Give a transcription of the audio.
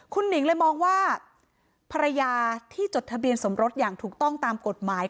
คุณหนิงเลยมองว่าภรรยาที่จดทะเบียนสมรสอย่างถูกต้องตามกฎหมาย